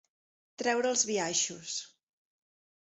Treure els biaixos.